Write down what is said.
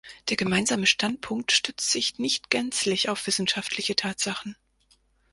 Der gemeinsame Standpunkt stützt sich nicht gänzlich auf wissenschaftliche Tatsachen.